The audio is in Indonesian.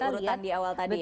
di urutan di awal tadi ya